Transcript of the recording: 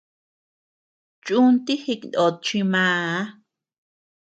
Chúnti jiknót chi màà.